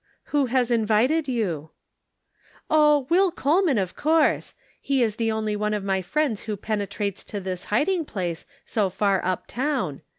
"Who has invited you?" 206 The Pocket Measure. " Oh, Will Coleraan of course ; he is the only one of my friends who penetrates to this hiding place, so far up town.